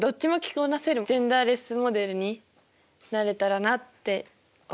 こなせるジェンダーレスモデルになれたらなって思っています。